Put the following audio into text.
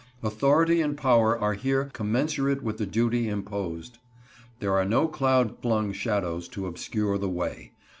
Authority and power are here commensurate with the duty imposed. There are no cloud flung shadows to obscure the way.